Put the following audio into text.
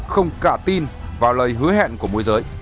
không cả tin vào lời hứa hẹn của môi giới